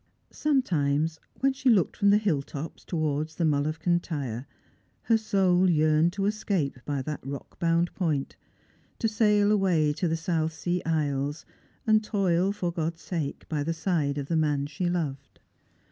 Sometimes, when she looked from the hill tops towards the Mull of Cantyre, her soul yearned to escape by that rock bound point, to sail away to the South Sea isles, and toil, for God'a sake, by the side of the man she loved.